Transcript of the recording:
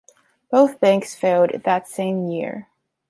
Both banks failed that same year.